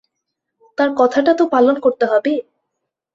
তাঁর কথাটা তো পালন করতে হবে।